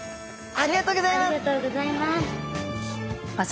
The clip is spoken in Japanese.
ありがとうございます。